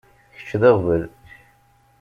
Kečč d aɣbel.